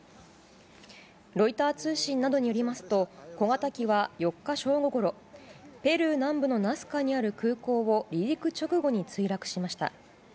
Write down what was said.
ロイター通信などによりますと小型機は４日正午ごろペルー南部のナスカにある空港を離陸直後に墜落しました。